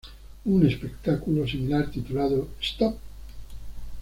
Un espectáculo similar titulado "Stop!